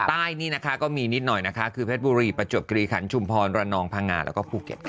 ใต้นี่นะคะก็มีนิดหน่อยนะคะคือเพชรบุรีประจวบกรีขันชุมพรระนองพังงาแล้วก็ภูเก็ตค่ะ